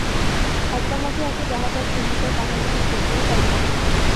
একবার নাকি একটি জাহাজ এক চুম্বকের পাহাড়ের নিকট দিয়া যাইতেছিল।